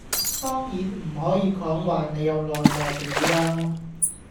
當然唔可以講話你有內幕料啦